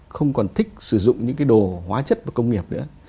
không còn thích sử dụng những cái đồ hóa chất và công nghiệp nữa